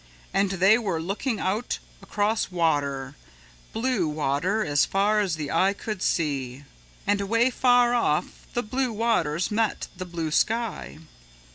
And they were looking out across water, blue water as far as the eye could see. And away far off the blue waters met the blue sky.